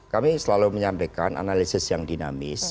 kami selalu menyampaikan analisis yang dinamis